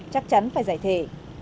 chắc chắn phải giải thề